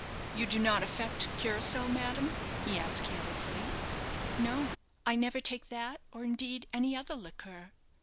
"You do not affect curaçoa, madame?" he asked, carelessly. "No; I never take that, or indeed, any other liqueur."